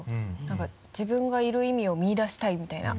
何か「自分が居る意味を見いだしたい」みたいな。